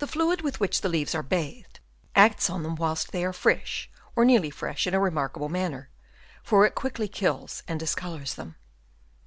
The fluid, with which the leaves are bathed, acts on them whilst they are fresh or nearly fresh, in a remarkable manner ; for it quickly kills and discolours them.